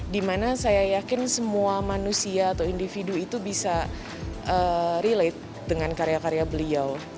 dimana saya yakin semua manusia atau individu itu bisa relate dengan karya karya beliau